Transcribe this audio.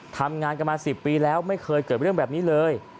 ทำงานกันมา๑๐ปีแล้วไม่เคยเกิดเรื่องแบบนี้เลย